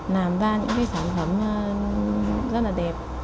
làm ra những sản phẩm rất là đẹp